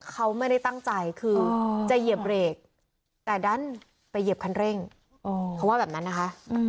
เขาไม่ได้ตั้งใจคือจะเหยียบเบรกแต่ดันไปเหยียบคันเร่งเขาว่าแบบนั้นนะคะ